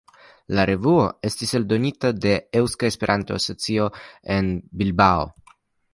La revuo estis eldonita de Eŭska Esperanto-Asocio en Bilbao.